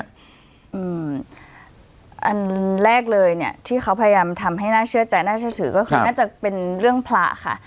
อันแรกเลยเนี่ยที่เขาพยายามทำให้น่าเชื่อใจน่าเชื่อถือก็คือน่าจะเป็นเรื่องพระค่ะ